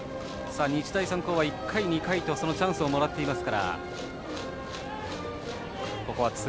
日大三高は１回、２回とチャンスをもらっています。